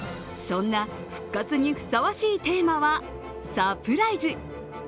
そんな復活にふさわしいテーマは、サプライズ。